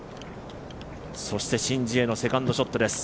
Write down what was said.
シン・ジエのセカンドショットです。